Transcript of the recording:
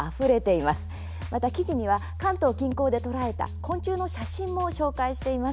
記事の中では関東近郊で捕らえた昆虫の写真も紹介しています。